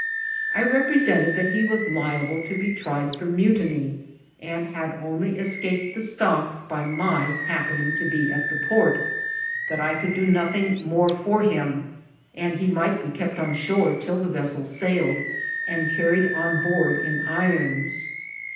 I repre* sented that he was liable to be tried for mutiny, and had only escs^ped the stocks by my happening to be at the port; that I could do nothing more for him; and he might be kept on shore till the vessel sailed, and carried on board in irons.